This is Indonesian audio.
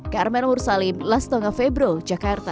carmen ursalim lastonga febro jakarta